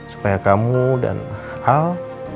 supaya kamu dan al